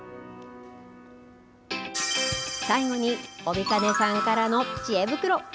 最後に帯包さんからのちえ袋。